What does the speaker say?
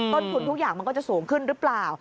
ต้นทุนทุกอย่างมันก็จะสูงขึ้นหรือเปล่า